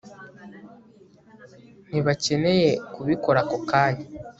ntibakeneye kubikora ako kanya